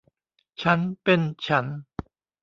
ฉันเป็นฉัน